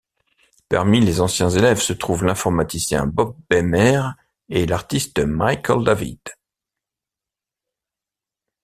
Parmi les anciens élèves se trouvent l'informaticien Bob Bemer et l'artiste Michael David.